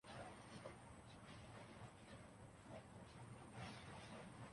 جب حالات بدلیں گے۔